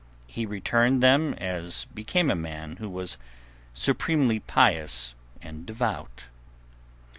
He returned them as became a man who was supremely pious and devout.